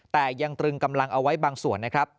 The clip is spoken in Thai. แต่ยังตรึงกำลังเอาไว้บางส่วนนะครับ